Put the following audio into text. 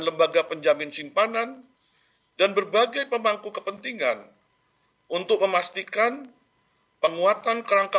lembaga penjamin simpanan dan berbagai pemangku kepentingan untuk memastikan penguatan kerangka